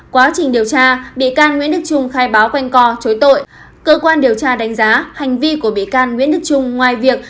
quá trình điều tra bị can nguyễn đức trung khai báo quanh co chối tội